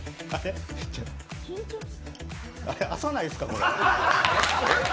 あれ、浅ないですか、これ。